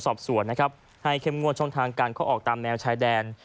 สอบสวนนะครับให้เข้มงวดช่องทางการเข้าออกตามแนวชายแดน